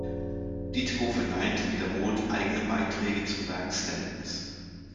Ditko verneinte wiederholt eigene Beiträge zum Werk Stantons.